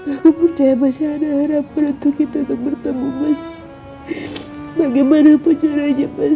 aku percaya mas ada harapan untuk kita bertemu mas bagaimanapun caranya mas